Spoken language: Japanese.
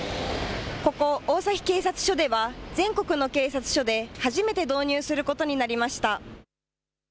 ここ大崎警察署では全国の警察署で初めて導入することになりました。